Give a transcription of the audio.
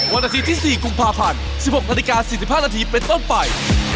วันอาทิตย์ที่๔กุมภาพันธ์๑๖นาฬิกา๔๕นาทีเป็นต้นไป